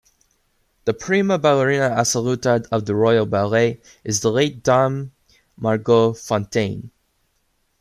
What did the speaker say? The Prima ballerina assoluta of the Royal Ballet is the late Dame Margot Fonteyn.